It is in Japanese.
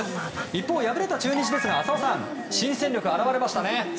一方、敗れた中日ですが浅尾さん、新戦力が現れましたね。